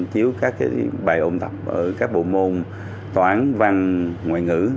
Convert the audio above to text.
thiếu các bài ôn tập ở các bộ môn toán văn ngoại ngữ